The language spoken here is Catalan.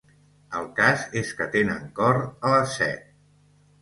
El cas és que tenen cor a les set.